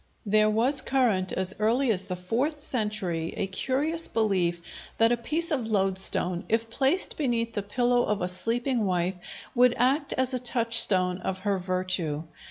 There was current as early as the fourth century a curious belief that a piece of loadstone, if placed beneath the pillow of a sleeping wife, would act as a touchstone of her virtue.